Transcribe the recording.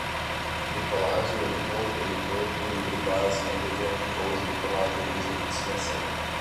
decolagem, heliponto, heliporto, hidrobase, navegante, pouso, decolagem, luzes de aproximação